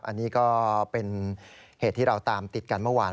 อันนี้ก็เป็นเหตุที่เราตามติดกันเมื่อวาน